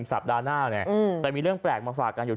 สัปดาห์หน้านี่อืมแต่มีเรื่องมาฝากกันอยู่